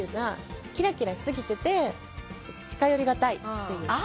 キラキラしすぎてて近寄りがたいって。